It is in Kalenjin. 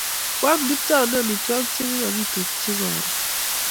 Koam Kiptanui amitwogik chekigagitukchi karon.